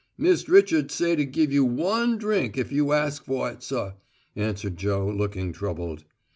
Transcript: "Mist' Richard say to give you one drink ef you ask' for it, suh," answered Joe, looking troubled.